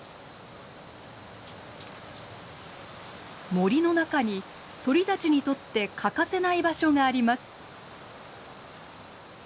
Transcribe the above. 森の中に鳥たちにとって欠かせない場所があります。